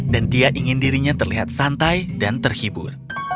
dan dia ingin dirinya terlihat santai dan terhibur